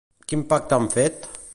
Quin pacte han fet?